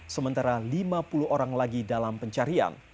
sementara lima puluh orang lagi dalam pencarian